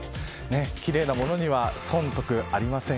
奇麗なものには損得ありません。